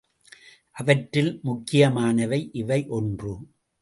அவற்றுள் முக்கியமானவை இவை ஒன்று.